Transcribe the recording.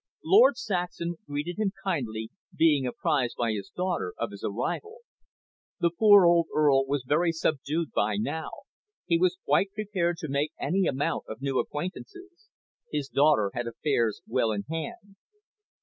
Lord Saxham greeted him kindly, being apprised by his daughter of his arrival. The poor old Earl was very subdued by now; he was quite prepared to make any amount of new acquaintances. His daughter had affairs well in hand.